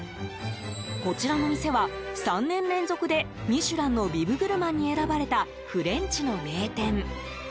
こちらの店は、３年連続で「ミシュラン」のビブグルマンに選ばれたフレンチの名店。